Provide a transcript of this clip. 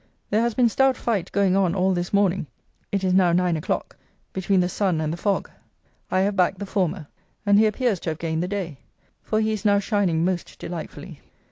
There has been stout fight going on all this morning (it is now 9 o'clock) between the sun and the fog. I have backed the former, and he appears to have gained the day; for he is now shining most delightfully.